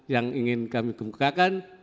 yang ingin kami kemukakan